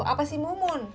apa sih mumun